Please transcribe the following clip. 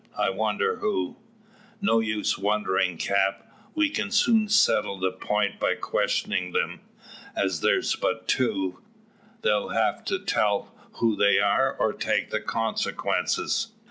I wonder who " "No use wonderin', cap. We can soon settle the point by questioning them. As there's but the two, they'll have to tell who they are, or take the consequences."